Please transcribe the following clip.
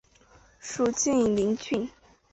属晋陵郡。